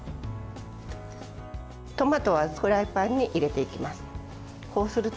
トマトはフライパンに入れていきます。